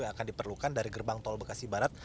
yang akan diperlukan dari gerbang tol bekasi barat